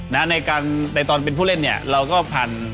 แต่ตอนเป็นผู้เล่นเนี่ยเราก็ผ่าน